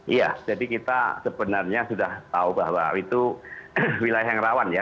iya jadi kita sebenarnya sudah tahu bahwa itu wilayah yang rawan ya